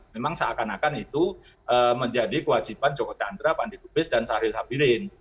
memang seakan akan itu menjadi kewajiban joko chandra pandil lubis dan syahril sabirin